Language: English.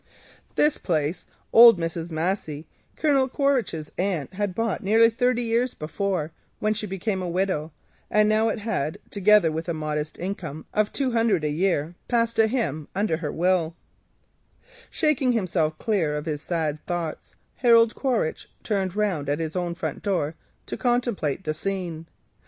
This place, Colonel Quaritch's aunt, old Mrs. Massey, had bought nearly thirty years before when she became a widow, and now, together with a modest income of two hundred a year, it had passed to him under her will. Shaking himself clear of his sad thoughts, Harold Quaritch turned round at his own front door to contemplate the scene.